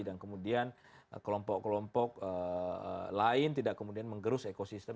dan kemudian kelompok kelompok lain tidak kemudian menggerus ekosistem